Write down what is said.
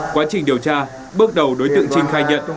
quá trình điều tra bước đầu đối tượng trinh khai nhận